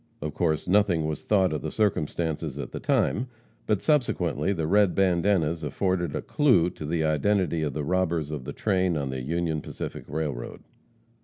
Of course nothing was thought of the circumstance at the time, but subsequently the red bandanas afforded "a clue" to the identity of the robbers of a train on the Union Pacific railroad.